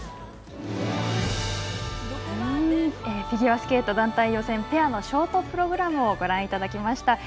フィギュアスケート団体予選ペアのショートプログラムをご覧いただきました。